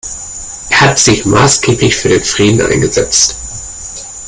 Er hat sich maßgeblich für den Frieden eingesetzt.